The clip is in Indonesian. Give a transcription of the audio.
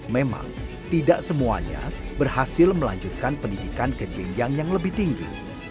memang tidak semuanya berhasil melanjutkan pendidikan ke jenjang yang lebih tinggi